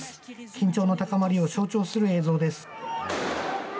緊張の高まりを象徴する映像です。